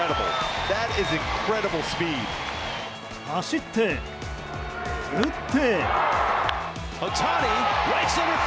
走って、打って。